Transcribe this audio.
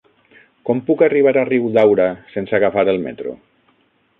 Com puc arribar a Riudaura sense agafar el metro?